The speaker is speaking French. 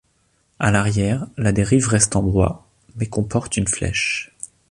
À l'arrière, la dérive reste en bois, mais comporte une flèche.